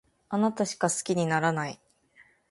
あなたしか好きにならない